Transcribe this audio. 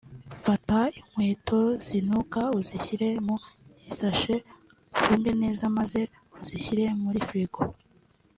fata ikweto zinuka uzishyire mu isashe ufunge neza maze uzishyire muri frigo